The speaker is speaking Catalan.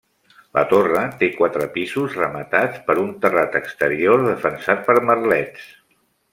La torre té quatre pisos rematats per un terrat exterior defensat per merlets.